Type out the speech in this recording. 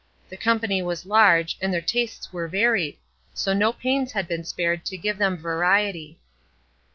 The company was large, and their tastes were varied; so no pains had been spared to give them variety.